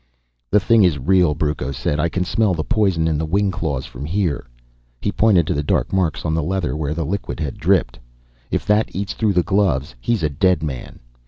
"The thing is real," Brucco said. "I can smell the poison in the wing claws from here." He pointed to the dark marks on the leather where the liquid had dripped. "If that eats through the gloves, he's a dead man."